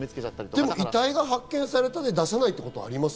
でも遺体が発見されて、出さないなんてことあります？